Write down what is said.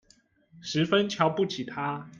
十分瞧不起他